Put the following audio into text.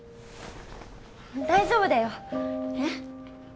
大丈夫だよ。え？